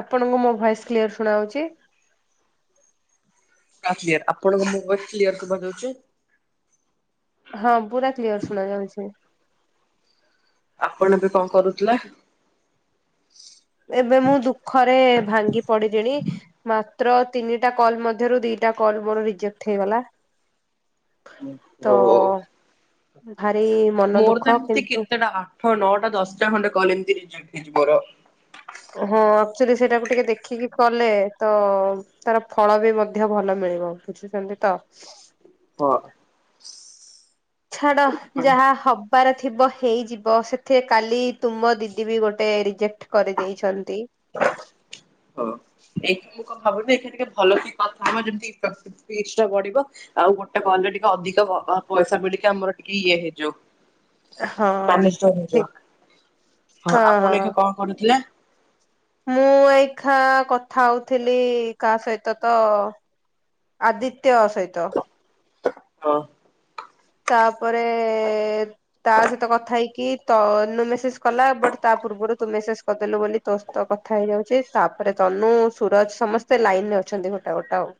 ଆପଣଙ୍କୁ ମୋ voice clear ଶୁଣାଉଛି। ହଁ କ୍ଳିଅର। ଆପଣଙ୍କୁ ମୋ ଭଏସ କ୍ଲିଅର ଶୁଭା ଯାଉଛି। ହଁ ପୁରା କ୍ଲିୟର ଶୁଣା ଯାଉଛି। ଆପଣ ଏବେ କଣ କରୁଥିଲେ? ଏବେ ମୁଁ ଦୁଃଖରେ ଭାଙ୍ଗି ପଡିିଲିଣି। ମାତ୍ର ତିନିଟା କଲ୍ ମଧ୍ୟରୁ ଦିଟା କଲ୍ ମୋର ରିଜେକ୍ଟ ହେଇଗଲା। ତ ଭାରି ମନ ଦୁଃଖ। କିନ୍ତୁ ହଁ ନଅଟା ଦଶଟା ଖଣ୍ଡେ କଲେ ଏମିତିି ରିଜେକ୍ଟ ହେଇଛି ମୋର। ହଁ ଆକ୍ଚୁଆଲି ସେଇଟାକୁ ଟିକେ ଦେଖିକି କଲେ ତ ତାର ଫଳ ବି ମଧ୍ୟ ଭଲ ମିଳିବ ବୁଝୁଛନ୍ତି ତ। ହଁ। ଛାଡ ସେଥିପାଇଁ ଯାହା ହବାର ଥିବ ହେଇଯିବ। ସେଥିରେ କାଲି ତୁମ ଦିଦି ବି ଗୋଟେ ରିଜେକ୍ଟ କରି ଦେଇଚନ୍ତି। ହ [unintelligible] ହଁ ଏଇ ମୁଁ କଣ ଭାବୁଥିନି ସିଏ ଟିକେ ଭଲ କି କଥା ହବା ଯେମତି ସପିଚ ଟା ବଢିବ। ଆଉ ଗୋଟେ କଲରେ ଟିକେ ଅଧିକ ପଇସା ବି ଆମର ଟିକେ ଇଏ ହେଇଯିବ। ହଁ ମା ନିଶ୍ଚୟ ଖୋଜିବ। ଠିକ ହଁ ଆପଣ ଏଇନା କଣ କରୁଥିଲେ? ମୁଁ ଏଇଖା କଥା ହଉଥିଲି କା ସହିତ ତ ଆଦିତ୍ୟ ସହିତ। ହଁ। ତାପରେ ତା ସହିତ କଥା ହେଇକି ତନୁ ମେସେଜ କଲା ବଟ ତା ପୂର୍ବରୁ ତୁ ମେସେଜ କରିଦେଲୁ ବୋଲି ତୋ ସହିତ କଥା ହେଇଯାଉଛି ତାପରେ ତନୁ ସୁରଜ ସମସ୍ତେ ଲାଇନ ରେ ଅଛନ୍ତି ଗୋଟା ଗୋଟା ଆଉ।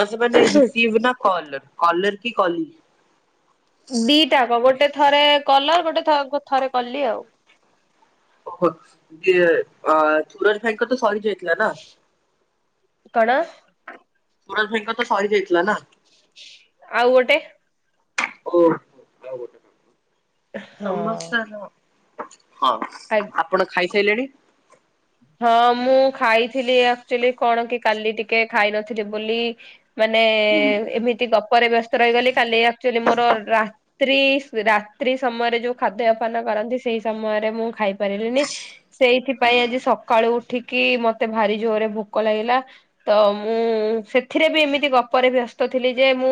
ବସ ମାନେ ରିସିଭ ନା କଲ କଲର କି କଲିଙ୍ଗ। ଦିଟା ଆକ ଗୋଟେ ଥରେ କଲର ଗୋଟେ ଥରେ କଲି ଆଉ। ଓହୋ ଯେ ଅ ସୁରଜ ଭାଇଙ୍କର ତ ସରି ଯାଇ ଥିଲା ନା କଣ ସୁରଜ ଭାଇଙ୍କର ତ ସରିଜାଇଥିଲା ନା। ଆଉ ଗୋଟେ। ଓ। ହଁ ସମସ୍ତ ର ହଁ। ଆଗ ଆପଣ ଖାଇସାଇଲେଣି। ହଁ ମୁଁ ଖାଇଥିଲି ଅକ୍ଚୂଆଲି କଣ କି କାଲି ଟିକେ ଖାଇନଥିଲି ବୋଲି ମାନେ ଏମିତି ଗପରେ ବ୍ୟସ୍ତ ରହିଗଲି କାଲି ଅକ୍ଚୁଆଲି ମୋର ରା ତ୍ରିସ୍ ରାତ୍ରି ସମୟରେ ଯୋଉ ଖାଦ୍ୟପାନ କରନ୍ତି ସେଇ ସମୟରେ ମୁଁ ଖାଇପାରିଲିନି। ସେଇଥିପାଇଁ ଆଜି ସକାଳୁ ଉଠିକି ମତେ ଭାରି ଜୋରରେ ଭୋକ ଲାଗିଲା। ତ ମୁଁ ସେଥିରେ ବି ଏମିତି ଗପରେ ବ୍ୟସ୍ତ ଥିଲି ଯେ ମୁଁ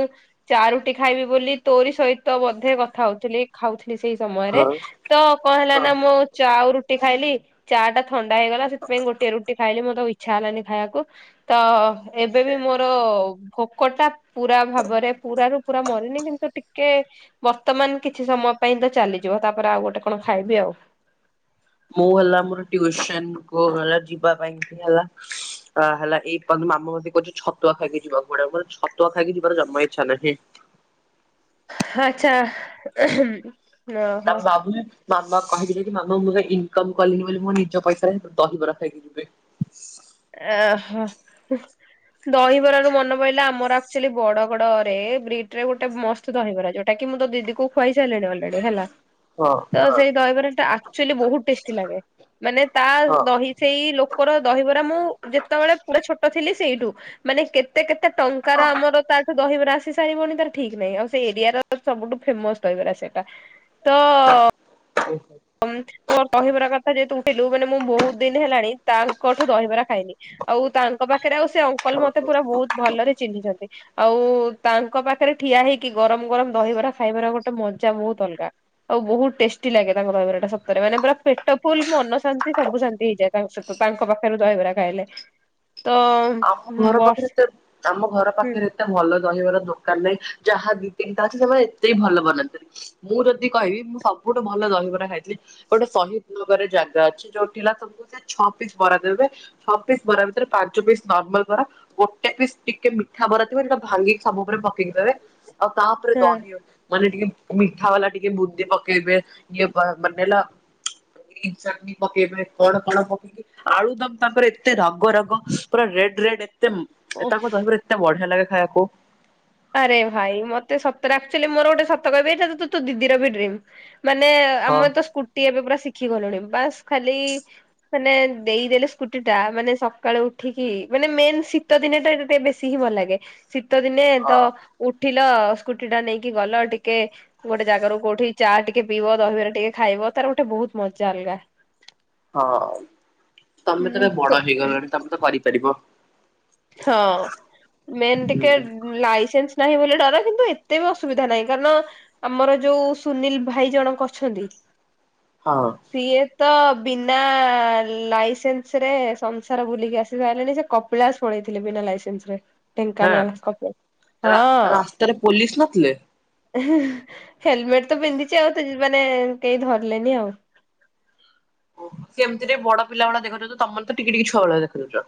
ଚା ରୁଟି ଖାଇବି ବୋଲି ତୋରି ସହିତ ବୋଧେ କଥା ହଉଥିଲି ଖାଉଥି ଲି ସେଇ ସମୟରେ ହଁ ତ କଣ ହେଲା ହଁ ନା ମୁଁ ଚା ଓ ରୁଟି ଖାଇଲି ଚା ଟା ଥଣ୍ଡା ହେଇଗଲା ସେଥିପାଇଁ ଗୋଟିଏ ରୁଟି ଖାଇଲି ମୋତେ ଆଉ ଇଚ୍ଛା ହେଲାନି ଖାଇଆକୁ। ତ ଏବେ ବି ମୋର ଭୋକ ଟା ପୁରା ଭାବରେ ପୁରା ରୁ ପୁରା ମରିନି କିନ୍ତୁ ଟିକେ ବର୍ତ୍ତମାନ୍ କିଛି ସମୟ ପାଇଁ ତ ଚାଲିଯିବ ତାପରେ ଆଉ ଗୋଟେ କଣ ଖାଇବି ଆଉ। ମୁଁ ହେଲା ମୋର ଟିଉସନ କୁ ହେଲା ଯିବା ପାଇଁ କି ହେଲା ଆ ହେଲା ଏଇ ପା ମାମୁ ମତେ କହୁଚି ଛତୁଆ ଖାଇକି ଯିବାକୁୁ [unintelligible] ଛତୁଆ ଖାଇକି ଯିବାର ଜମା ଇଚ୍ଛା ନାହିଁ। ଆଚ୍ଛା ଉଁହୁଁ। ତାର ଭାବୁନି ମାମା କହିଥିଲେ କି ମାମା ମୁଁ ଇନକମ୍ କଲିଣି ବୋଲି ମୋ ନିଜ ପଇସାରେ ଦହିବରା ଖାଇକି ଯିବେ। ଏ ହୋ ଉଁ ଦହିବରା ରୁ ମନେ ପଇଲା ଆମର ଆକ୍ଚୁଲି ବଡ଼ ଗଡ ରେ ବ୍ରିଟ୍ ରେ ଗୋଟେ ମସ୍ତ ସେ ଦହିବରା ଯୋଉଟା କି ମୁଁ ତ ଦିଦିକୁ ଖୁଆଇ ସାଇଲିଣି ଅଲରେଡି ହେଲା। ହଁ ତ ହଁ ସେଇ ଦହିବରା ଟା ଆକ୍ଚୁଆଲି ବହୁତ୍ ଟେଷ୍ଟି ଲାଗେ ମାନେ ତା ଦହି ସେଇ ଲୋକର ଦହିବରା ମୁଁ ଯେତେବେଳେ ପୁରା ଛୋଟ ଥିଲି ସେଇଠୁ ମାନେ କେତେ କେତେ ଟଙ୍କ୍ କାର ଆମର ତା ଦହିବରା ଆସି ସାରିବଣି ତାର ଠିକ୍ ନାହିଁ ଆଉ ସେ ଏରିଆର ସବୁଠୁ ଫେମସ୍ ଦହିବରା ସେଟା। ତ ହଁ ଉଁ ମୋର୍ ଦହିବରା କଥା ଯେହେତୁ ଉଠେଇଲୁ ମାନେ ମୁଁ ବହୁତ୍ ଦିନ ହେଲାଣି ତାଙ୍କଠୁ ଦହିବରା ଖାଇନି। ଆଉ ତାଙ୍କ ପାଖେରେ ଆଉ ସେ ଅଙ୍କଲ୍ ମତେ ହଁ। ପୁରା ବହୁତ୍ ଭଲରେ ଚିହ୍ନିଚନ୍ତି। ଆଉ ତାଙ୍କ ପାଖେରେ ଠିଆ ହେଇକି ଗରମ୍-ଗରମ୍ ଦହିବରା ଖାଇବାର ଗୋଟେ ମଜା ବହୁତ୍ ଅଲଗା। ଆଉ ବହୁତ୍ ଟେଷ୍ଟି ଲାଗେ। ତାଙ୍କ ଦହିବରା ଟା ସତରେ ମାନେ ପୁରା ପେଟ ଫୁଲ୍ ମନ ଶାନ୍ତି ସବୁ ଶାନ୍ତି ହେଇଯାଏ ତାଙ୍କ ସହିତ ପାଖେରେ ଦହିବରା ଖାଇଲେ। ତ ଆମ ଘର ବର୍ଷ ପାଖେରେ ତ ଆମ ଘର ହୁଁ ପାଖେରେ [unintelligible] ଭଲ ଦହିବରା ଦୋକାନ୍ ନାହିଁ, ଯାହା ଦିି ତିନିଟା ଅଛି ସେମାନେ ଏତେ ଭଲ ବନାନ୍ତିନି। ମୁଁ ଯଦି କହିବି ମୁଁ ସବୁଠୁ ଭଲ ଦହିବରା ଖାଇଥିଲି। ଗୋଟେ ସହିଦ୍ ନଗର ରେ ଜାଗା ଅଛି [unintelligible] ସେ ଛଅ ପିସ୍ ବରା ଦେବେ ଛଅ ପିସ୍ ବରା ଭିତରେ ପାଞ୍ଚ ପିସ୍ ନର୍ମାଲ ବରା ଗୋଟେ ପିସ୍ ଟିକେ ମିଠା ବରା ଥିବ ଯୋଉଟା ଭାଙ୍ଗିକି ସବୁ [unintelligible] [unintelligible] ଆଉ ତାପରେ ଦହି ଆଉ ମାନେ ଟିକେ ମିଠା ବାଲା ଟିକେ ବୁନ୍ଦି ପକେଇବେ, ଇଏ ମାନେ ହେଲା ଗ୍ରିନ୍ ଚଟ୍ନି ପକେଇବେ କଣ-କଣ ପକେଇକି ଆଳୁ ଦମ୍ ତାଙ୍କର ଏତେ ରାଗ ରାଗ ପୁରା ରେଡ୍-ରେଡ୍ ଏତେ ହଁ ତାଙ୍କ ଦହିବରା ଏତେ ବଢିଆ ଲାଗେ ଖାଇବାକୁ। ଆରେ ଭାଇ ମତେ ସତରେ ଆକ୍ଚୁଆଲି ମୋର ଗୋଟେ ସତ କହିବି ତୁ ତୋ ଦିଦିର ବି ଡ୍ରିମ୍। ମାନେ ହଁ ଆମେ ତ ସ୍କୁଟି ଏବେ ପୁରା ଶିଖିଗଲୁଣି ବାସ୍ ଖାଲି ମାନେ ଦେଇଦେଲେ ସ୍କୁଟି ଟା ମାନେ ସକାଳେୁ ଉଠିକି ମାନେ ମେନ୍ ସି ଶୀତ ଦିନେ ତ ଏଇଟା ଟିକେ ବେଶୀ ହିଁ ଭଲ ଲାଗେ, ଶୀତ ଦିନେ ହଁ ତ ଉଠିଲ ସ୍କୁଟି ଟା ନେଇକି ଗଲ ଟିକେ ଗୋଟେ ଜାଗାରୁ କୋଉଠି ଚା ଟିକେ ପିଇବ, ଦହିବରା ଟିକେ ଖାଇବ ତାର ଗୋଟେ ବହୁତ୍ ମଜା ଅଲଗା। ହଁ ତମେ ତ ଏବେ ବଡ ହେଇଗଲଣି ତମେ ତ କରିପାରିବ। ହଁ ମେନ୍ ଟିକେ ଲାଇସେନ୍ସ୍ ନାହିଁ ବୋଲି ଡର କିନ୍ତୁ ଏତେ ବି ଅସୁବିଧା ନାହିଁ କାରଣ ଆମର ଯୋଉ ସୁନିଲ୍ ଭାଇ ଜଣକ ଅଛନ୍ତି ହଁ। ସିଏ ତ ବିନା ଲାଇସେନ୍ସ ରେ ସଂସାର ବୁଲିକି ଆସି ସାରିଲେଣି, ସେ କପିଳାସ ପଳେଇଥିଲେ ବିନା ଲରେନ୍ସରେ ହଁ ଢେଙ୍କାନାଳ କପିଳାସ ହଁ। ରାସ୍ତାରେ ପୋଲିସ ନଥିଲେ? ଏହେହେଁ ହେଲମେଟ୍ ତ ପିନ୍ଧିଚି ଆଉ ତ ମାନେ କେହି ଧରିଲେନି ଆଉ। [unintelligible] ରେ ବଡ ପିଲା ଭଳିଆ ଦେଖାଯାଉଚ, ତମର ତ ଟିକି-ଟିକି ଛୁଆ ଭଳିଆ ଦେଖାଯାଉଚ।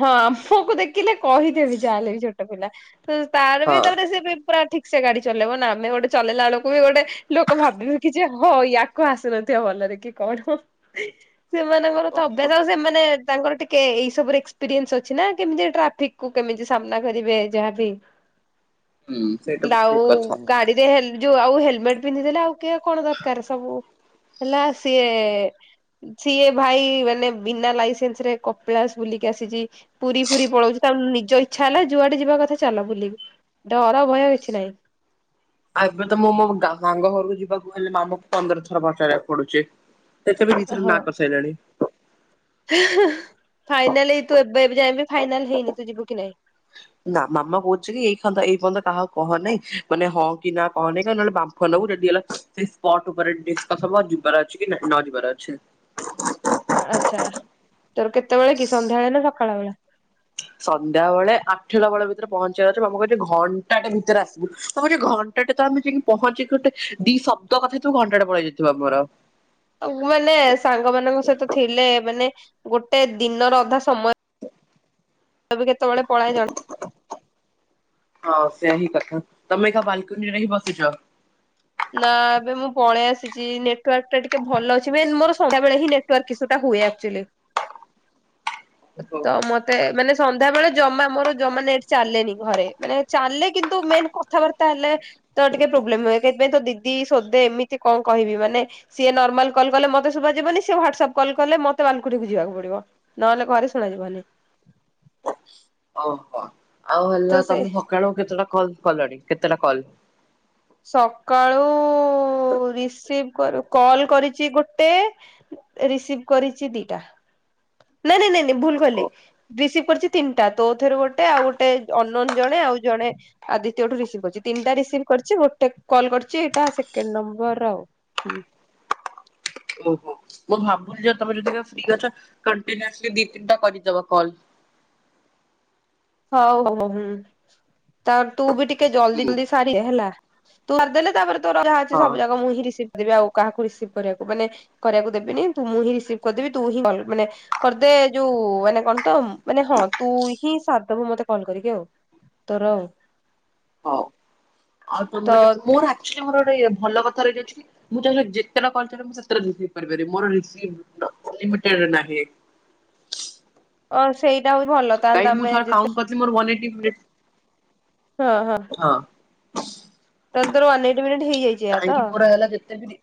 ହଁ ଆମକୁ ଦେଖିଲେ କହିଦେବି ଯାହେଲେ ବି ଛୋଟ ପିଲା, ତ ତାର ବି ହଁ ତାପରେ ସିଏ ବି ପୁରା ଠିକ୍ ସେ ଗାଡି ଚଲେଇବ ନା, ଆମେ ଗୋଟେ ଚଲେଇଲା ବେଳକୁ ବି ଗୋଟେ ଲୋକ ଭାବିବେ କି ଯେ ହଁ ୟା କୁ ଆସିୁନଥିବ ଭଲରେ କି କଣ। ସେମାନଙ୍କର ତ ଓହୋ ଅଭ୍ୟାସ ଆଉ ସେମାନେ ତାଙ୍କର ଟିକେ ଏଇ ସବୁରେ ଏକ୍ସ ପିରେନ୍ସ ଅଛି ନା କେମିତି ଟ୍ରାଫିକ କୁ କେମିତି ସାମ୍ନା କରିବେ ଯାହାବି ହୁଁ ସେଇଟା ବି ଠିକ କଥା। [unintelligible] ଗାଡି ଯେ ହେଲ୍ ଯୋଉ ଆଉ ହେଲମେଟ୍ ପିନ୍ଧି ଦେଲେ ଆଉ କିଏ କଣ ଦରକାର୍ ସବୁ। ହେଲା ସିଏ ସିଏ ଭାଇ ମାନେ ବିନା ଲାଇସେନ୍ସ ରେ କପିଳାସ ବୁଲି କି ଆସିଚି ପୁରୀ ଫୁରୀ‌ ପଳଉଚି, ତା ନିଜ ଇଚ୍ଛା ହେଲା ଯୁଆଡେ ଯିବା କଥା ଚାଲ ବୁଲିବି। ଡର ଭୟ କିଛି ନାହିଁ। ଆ ଏବେ ତ ମୁଁ ମୋ ଗାଁ ସାଙ୍ଗ ଘରକୁ ଯିବାକୁ ହେଲେ ମାମୁଁ କୁ ପନ୍ଦର ଥର ପଚାରିବାକୁ ପଡ଼ୁଚି। [unintelligible] ବି ଦି ଥର ନା କସାଇଲାଣି‌। ହେଁ-ହେଁ-ହେଁ ଫାଇନାଲି ତୁ ଏବେ ଯାଏଁ ବି ଫାଇନାଲ୍ ହେଇନି ତୁ ଯିବୁ କି ନାଇଁ? ନା ମାମା କହୁଛି କି ଏଇ ଖନ୍ଦ ଏଇ ପନ୍ଦ କାହାକୁ କହନେଇ ମାନେ ହଁ କି ନା କହନେଇ କ ନହେଲେ ବାମ୍ଫ ଫ ନବୁ ଯଦି ହେଲା ସେଇ ସ୍ପଷ୍ଟ ଉପରେ ଡିସ୍କସ ହବ ଯିବାର ଅଛି କି ନ ଯିବାର ଅଛି। ଆଚ୍ଛା ତୋର କେତବଳେ କି ସନ୍ଧ୍ୟାବେଳେ ନା ସକାଳ ବେଳା? ସନ୍ଧ୍ୟାବେଳେ ଆଠଟା ବେଳ ଭିତରେ ପହଞ୍ଚିବାର ଅଛି [unintelligible] କହୁଛି ଘଣ୍ଟାଟେ ଭିତରେ ଆସିବୁ, ମୁଁ କହିଲି ଘନ୍ ଟାଟେ ତ ଆମେ ଯାଇକି ପହଞ୍ଚିକି ଗୋଟେ ଦି ଶବ୍ଦ କଥା ହେଇଥିବୁ ଘଣ୍ଟାଟେ ପଳେଇ ଯାଇଥିବ ଆମର। ଆଉ ମାନେ ସାଙ୍ଗ ମାନଙ୍କ ସହିତ ଥିଲେ ମାନେ ଗୋଟେ ଦିନର ଅଧା ସମୟ ତବେ କେତେବେଳେ ପଳାଏ ଜ ହଁ ସେହି କଥା ତମେ ଏକା ବାଲକୁନିରେ ହିଁ ବସିଚ? ନାଁ ଏବେ ମୁଁ ପଳେଇ ଆସିଚି ନେଟୱାର୍କ ଟା ଟିକେ ଭଲ ଅଛି ମେନ୍ ମୋର ସନ୍ଧ୍ୟାବେଳେ ହିଁ ନେ ଟୁ ୱାର୍କ ଇସୁ ଟା ହୁଏ ଆକ୍ଟୁଆଲି। [inaudible] ଓହୋ। ତ ମ ତେ ମାନେ ସନ୍ଧ୍ୟାବେଳେ ଜମା ମୋର ଜମା ନେଟ୍ ଚାଲଲେନି ଘରେ ମାନେ ଚାଲେ କିନ୍ତୁ ମେନ୍ କ କଥାବାର୍ତ୍ତା ହେଲେ ତ ଟିକେ ପ୍ରୋବ୍ଲେମ ହୁଏ ସେଥିପାଇଁ ତୋ ଦିଦି ସୋଦେ ଏମିତି କଣ କହିବି ମାନେ ସିଏ ନର୍ମାଲ କଲ୍ କଲେ ମତେ ଶୁଭା ଯିବନି ସିଏ ହ୍ୱାଟସପ କଲ କଲେ ମତେ ବାଲ୍କୁନୀକୁ ଯିବାକୁ ପଡିବ। ନହେଲେ ଘରେ ଶୁଣାଯିବନି। [inaudible] ଓହୋ ଆଉ ତ ହେଲା ସେ ତମେ ସକାଳୁ କେତେଟା କଲ୍ କଲଣି କେତେଟା କଲ୍? ସକାଳୁ ରିସିଭ୍ କରୁ କଲ୍ କରିଚି ଗୋଟେ ରିସିଭ୍ କରିଛି ଦିଟା ନାଇଁ ନାଇଁ ନାଇଁ ନାଇଁ ଭୁଲ୍ ଓ କହିଲି ରିସିଭ୍ କରିଚି ତିନିଟା ତୋ ଥରୁ ଗୋଟେ ଆଉ ଗୋଟେ ଅନନୋନ୍ ଜଣେ ଆଉ ଜଣେ ଆ ଦ୍ୱିତୀୟଠୁ ରିସିଭ୍ କରିଚି ତିନିଟା ରିସିଭ୍ କରିଚି ଗୋଟେ କଲ୍ କରିଚି ଏଇଟା ସେକେଣ୍ଡ ନମ୍ବର ଆଉ। ହୁଁ। ଓହୋ ମୁଁ ଭାବୁଛି ଯେ ତମେ ଯଦି ଏବେ ଫ୍ରି ଅଛ କଣ୍ଟିନିଅସଲି ଦି, ତିନିଟା କରିଦବ କଲ୍। ହଉ ହଉ ହୁଁ ତ ତୁ ବି ଟିକେ ଜଲଦି ହୁଁ ଜଲଦି ସାର୍ ରିଦେ ହେଲା ତୁ ସାରିଦେଲେ ତାପରେ ତୋର ଯାହା ଅଛି ହଁ ସବୁ ଜାକ ମୁଁ ହିଁ ରିସିଭ୍ ବି ଆଉ କାହାକୁ ରିସିଭ୍ କରିବାକୁ ମାନେ କରିବାକୁ ଦେବିନି ତୁ ମୁଁ ହିଁ ରିସିଭ୍ କରିଦେବି ତୁ ହିଁ କଲ୍ ମାନେ କରିଦେ ଯୋଉ ମାନେ କଣ ତ ଉମ୍ ମାନେ ହଁ ତୁ ହିଁ ସାର ଦବୁ ମତେ କଲ୍ କରିକି ଆଉ ତୋର ଆଉ। ହଉ ଆଉ ତ ତୁମର କେତେ ମୋର ଆକ୍ଟୁଆଲି ମୋର ଗୋଟେ ଭଲ କଥା ରହିି ଅଛି। ମୁଁ ଚାହିଁଲେ ଯେତେଟା କଲ୍ ଚାହିଁଲେ ମୁଁ ସେତେଟା ରିସିଭ୍ କରିପାରିବି ମୋର ରିସିଭ୍ ଅଲ୍ଲିମିଟେଡ୍ ନାହିଁ। ଓ ସେଇଟା ଆହୁରି ଭଲ। ତାହେଲେ କାଇଁ କି ମୁଁ ତମେ ଥର ଯେତେ କାଉଣ୍ଟ କରିଥିଲି ମୋର ୱାନ ଏଇଟି ମିନିଟ୍। ହଁ ହଁ। ହଁ। ତାଲେ ତୋର ୱାନ ଏଇଟି ମିନିଟ୍ ହେ କାହିଁକି ପଡା ହେଲା ଯେତେ ଦିନି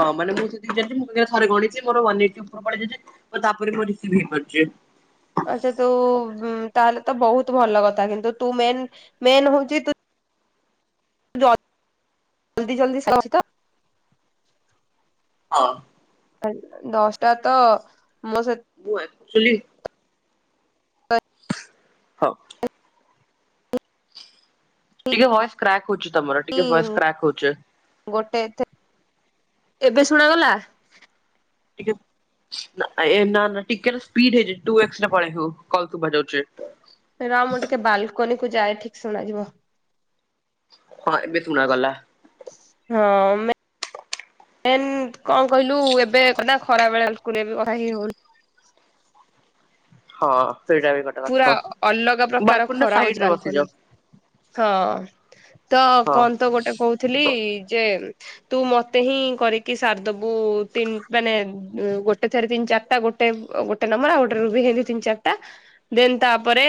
ହଁ ମାନ ମୁଁ ସେତିକି ଜାଣିଛି ମୁଁ କନି ଆରେ ଥରେ ଗଣଛି ମୋର ୱାନ ଏଇଟି ଉପରୁକୁ ପଳେଇଯାଇଛି। ତାପରେ ବି ମୋର ରିସିଭ୍ ହେଇପାରୁଛି। ଆଚ୍ଛା ତୁ ତାହଲେ ତ ବହୁତ୍ ଭଲ କଥା କିନ୍ତୁ ତୁ ମେନ୍ ମେନ୍ ହଉଛି ତୁ ଜ ଜଲଦି ଜଲଦି ସରୁଛି ତ? ହଁ। [unintelligible] ଦଶଟା ତ ମୋ ସେ ମୁଁ ଆକ୍ଟୁଅଲି ହଁ। ଟିକେ ଭଏସ୍ କ୍ରାକ୍ ହଉଛି ତମର ଟିକେ ଭଏସ୍ କ୍ରାକ୍ ହଉଛି। ଗୋଟେ ଥ ଏବେ ଶୁଣାଗଲା? ଟିକେ ନାଇଁ ନା ନା ଟିକେ ତ ସ୍ପିଡ୍ ହେଇଛି ଟୁ ଏକ୍ସ ପଳେ ହଉ କଲ୍ ସୁଭାଯାଉଛି। ର ମୁଁ ଟିକେ ବାଲ୍କୁନିକୁ ଯାଏ ଠିକ୍ ଶୁଣାଯିବ। ହଁ ଏବେ ତୁଣା ଗଲା। ହଁ ମେ ମେନ୍ କଣ କହିଲୁ ଏବେ ନାଁ ଖରାବେଳେ ଏକୁଟିଆ ବି କଥା ହେଇହଉ ନି। ହଁ ସେଇଟା ବି କ ପୁରା ଅଲଗା ପ୍ରକାର ଖରା ହଉଛି ରେ ବସିଯାଅ। ବାଲ୍କୁନିରେ। ହଁ ତ ହଁ କଣ ତ ଗୋଟେ କହୁଥିଲି ଯେ ତୁ ମତେ ହିଁ କରିକି ସାରିଦବୁ ତିନି ମାନେ ଗୋଟେ ଥରେ ତିନି ଚା ଗୋଟେ ଗୋଟେ ନମ୍ବର ଆଉ ଗୋଟେ ରୁ ବି ହେନ୍ତି ତିନି ଚାରିଟା ଦେନ୍ ତାପରେ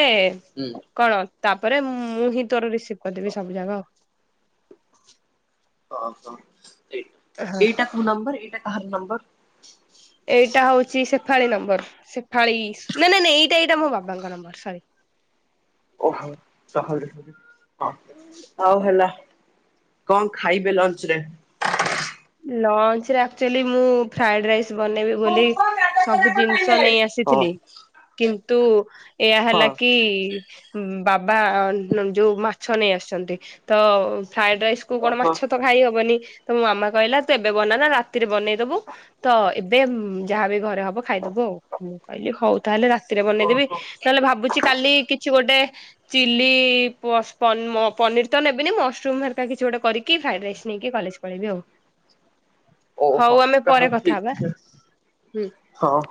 ହୁଁ। କଣ ତାପରେ ମୁଁ ହିଁ ତୋର ରିସିଭ୍ କରିଦେବି ସବୁ ଜାଗ। ଓହ ଏଇ ହଁ ଏଇଟା କୋଉ ନମ୍ବର ଏଇଟା କାହାର ନମ୍ବର? ଏଇଟା ହଉଛି ସେଫାଳି ନମ୍ବର। ସେଫାଳି ନାଇଁ ନାଇଁ ନାଇଁ ଏଇଟା ଏଇଟା ମୋ ବାବାଙ୍କ ନମ୍ବର ସରି। ଓହ ତାହଲେ ହଁ। ହ ହଉ ହେଲା କଣ ଖାଇବେ ଲଞ୍ଚ ରେ? ଲଞ୍ଚ ରେ ଆକ୍ଚୁଆଲି ମୁଁ ଫ୍ରାଇଡ ରାଇସ୍ ବନେଇବି ହଁ ବୋଲି ହଁ ସବୁ ଜିନିଷ ନେଇ ଆସିଥିଲି। କିନ୍ତୁ ଏଇଆ ହେଲା କି ବାବା ଯୋଉ ମାଛ ନେଇ ଆସିଛନ୍ତି ତ ଫ୍ରାଏଡ ରାଇସ୍ ତୁ କଣ ଓହୋ ମାଛ ତ ଖାଇହବନି ତ ମୋ ମାମା କହିଲା ତୁ ଏବେ ବନାନା ରାତିରେ ବନେଇଦବୁ ତ ଏବେ ଯାହାବି ଘରେ ହବ ଖାଇଦବୁ ଆଉ ମୁଁ କହିଲି ହଉ ତାହେଲେ ରାତିରେ ବନେଇଦେବି। ଓହୋ ତାହେଲେ ଭାବୁଛି କାଲି କିଛି ଗୋଟେ ଚିଲ ପ ପ୍ସ ପ ପନିର ତ ନେବନି ମସରୁମ ହରିକା କିଛି ଗୋଟେ କରିକି ଫ୍ରାଇଡ ରାଇସ୍ ନେଇକି କଲେଜ ପଳେଇବି ଆଉ। ଓହୋ ହଉ ଆମେ ତାହା ପରେ କଥା ଠିକ ହବା ଅଛି ହୁଁ। ହଁ।